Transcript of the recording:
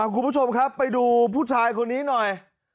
คุณผู้ชมครับไปดูผู้ชายคนนี้หน่อย